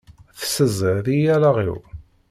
Tessezziḍ-iyi allaɣ-iw!